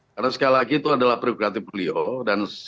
karena sekali lagi itu adalah prioritatif beliau dan